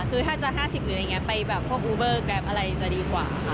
คือถ้าจะ๕๐บาทหรืออย่างนี้ไปแบบพวกอุเบอร์แกรมอะไรจะดีกว่า